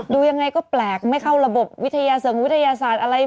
ดูยังไงก็แปลกไม่เข้าระบบวิทยาเสริงวิทยาศาสตร์อะไร